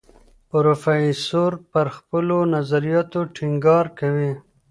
پروفیسور پر خپلو نظریاتو ټینګار کوي.